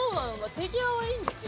手際はいいんですよ。